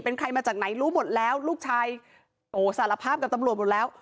เป็นใครมาจากไหนรู้หมดแล้วลูกชายโอ้สารภาพกับตำรวจหมดแล้ว